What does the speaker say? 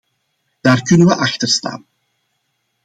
Daar kunnen we achter staan.